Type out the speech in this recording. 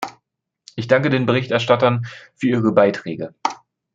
Ich danke den Berichterstattern für ihre Beiträge.